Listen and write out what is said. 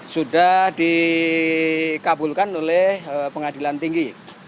sudah dikabulkan oleh pengadilan tinggi